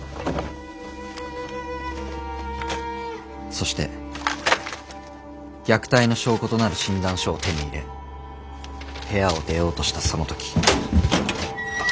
そして虐待の証拠となる診断書を手に入れ部屋を出ようとしたその時。